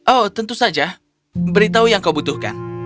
oh tentu saja beritahu yang kau butuhkan